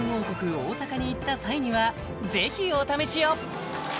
大阪に行った際にはぜひお試しを！